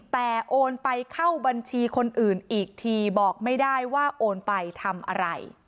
แต่โอนไปเข้าบัญชีคนอื่นอีกทีบอกไม่ได้ว่าโอนไปทำอะไร